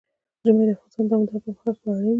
ژمی د افغانستان د دوامداره پرمختګ لپاره اړین دي.